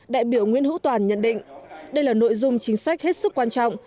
đại biểu nguyễn hữu toàn nhận định đây là nội dung chính sách hết sức quan trọng